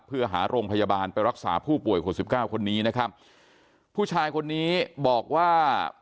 เพื่อหาโรงพยาบาลไปรักษาผู้ป่วยคนสิบเก้าคนนี้นะครับผู้ชายคนนี้บอกว่า